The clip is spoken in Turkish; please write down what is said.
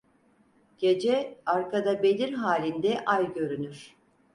Gece; arkada bedir halinde ay görünür.